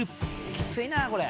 「きついなこれ」